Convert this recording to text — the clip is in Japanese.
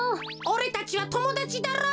おれたちはともだちだろ！